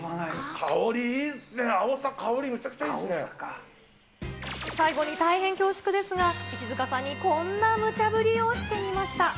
香り、いいっすね、あおさ、最後に大変恐縮ですが、石塚さんにこんなむちゃ振りをしてみました。